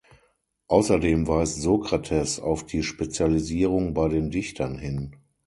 Außerdem weist Sokrates auf die Spezialisierung bei den Dichtern hin.